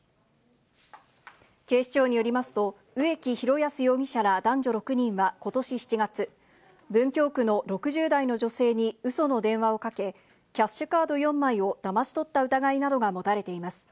警視庁によりますと、植木啓安容疑者ら男女６人はことし７月、文京区の６０代の女性にうその電話をかけ、キャッシュカード４枚をだまし取った疑いなどが持たれています。